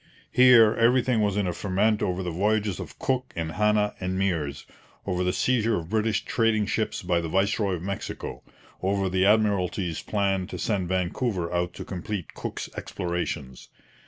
Here, everything was in a ferment over the voyages of Cook and Hanna and Meares, over the seizure of British trading ships by the viceroy of Mexico, over the Admiralty's plans to send Vancouver out to complete Cook's explorations.